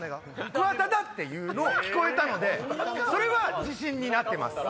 「桑田だ」っていうの聞こえたのでそれは自信になってます。